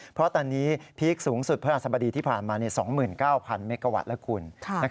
เพราะตอนนี้พีคสูงสุดพระราชบดีที่ผ่านมา๒๙๐๐เมกาวัตต์แล้วคุณ